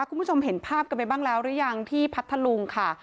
คุณผู้ชมเห็นภาพกันไปบ้างแล้วหรือยังที่พัทธลุงค่ะ